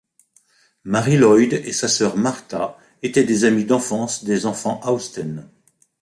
Mary Lloyd et sa sœur Martha étaient des amies d'enfance des enfants Austen.